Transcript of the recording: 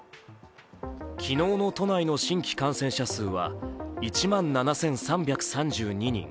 昨日の都内の新規感染者数は１万７３３２人。